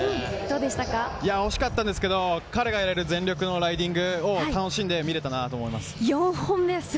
惜しかったですけど、彼がやれる全力のライディングを楽しんで見れたなと思います。